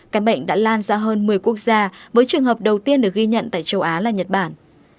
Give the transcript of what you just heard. các bệnh đã lan ra hơn một mươi quốc gia với trường hợp đầu tiên được ghi nhận tại châu á là nhật bản